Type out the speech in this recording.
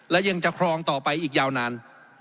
และยังจะครองต่อไปอีกยาวนาน